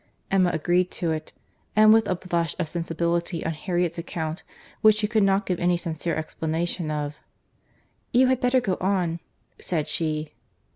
Emma agreed to it, and with a blush of sensibility on Harriet's account, which she could not give any sincere explanation of. "You had better go on," said she.